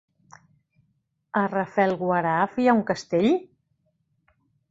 A Rafelguaraf hi ha un castell?